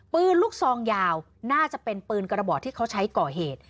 ปืนลูกซองยาวน่าจะเป็นปืนกระบอกที่เขาใช้ก่อเหตุ